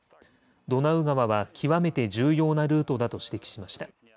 ドナウ川は極めて重要なルートだと指摘しました。